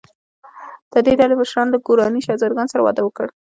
د دې ډلې مشرانو له ګوراني شهزادګانو سره واده وکړ.